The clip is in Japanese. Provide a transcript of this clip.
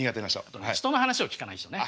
人の話を聞かない人ね。